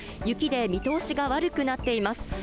雪で見通しが悪くなっています。